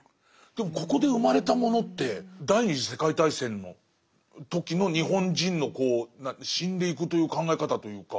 でもここで生まれたものって第二次世界大戦の時の日本人のこう死んでいくという考え方というか。